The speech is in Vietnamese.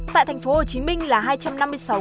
tại thành phố hồ chí minh là hai trăm năm mươi sáu ca